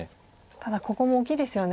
ただここも大きいですよね。